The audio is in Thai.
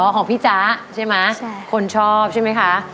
ของพี่จ๊ะใช่ไหมคนชอบใช่ไหมคะ